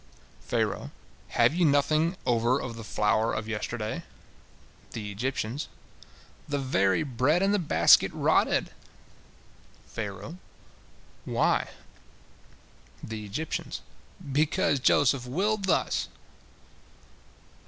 Pharaoh: "Have ye nothing over of the flour of yesterday?" The Egyptians: "The very bread in the basket rotted!" Pharaoh: "Why?" The Egyptians: "Because Joseph willed thus!"